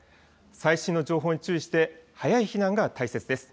最新の情報に注意して早い避難が大切です。